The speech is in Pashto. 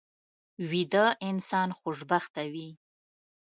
ویده انسان خوشبخته وي